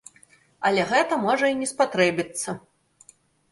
Але гэта можа і не спатрэбіцца.